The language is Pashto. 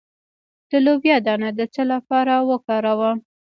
د لوبیا دانه د څه لپاره وکاروم؟